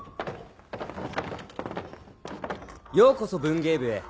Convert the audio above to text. ようこそ文芸部へ。